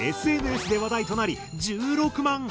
ＳＮＳで話題となり１６万